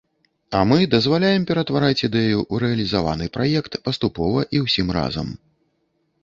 А мы дазваляем ператвараць ідэю ў рэалізаваны праект паступова і ўсім разам.